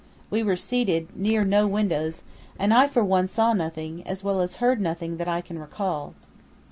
We were seated near no windows and I for one saw nothing, as well as heard nothing that I can recall."